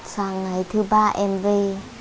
sáng ngày thứ ba em về